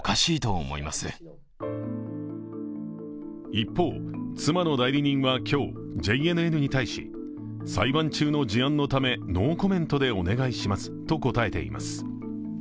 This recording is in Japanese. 一方、妻の代理人は今日、ＪＮＮに対し裁判中の事案のためノーコメントでお願いしますと答えています。